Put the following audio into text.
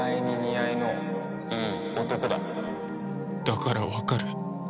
だからわかる